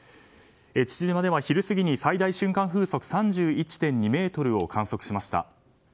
父島では昼過ぎに最大瞬間風速３１．２メートルを観測しました。